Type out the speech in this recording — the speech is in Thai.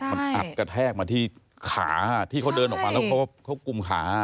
มันอัดกระแทกมาที่ขาที่เขาเดินออกมาแล้วเขากุมขา